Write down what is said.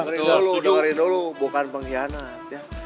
dengarin dulu dengerin dulu bukan pengkhianat yah